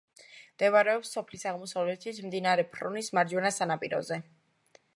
მდებარეობს სოფლის აღმოსავლეთით, მდინარე ფრონის მარჯვენა სანაპიროზე.